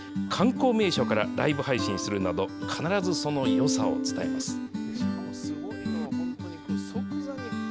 観光名所からライブ配信するなど、必ずそのよさを伝えます。